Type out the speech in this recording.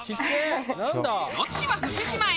ロッチは福島へ。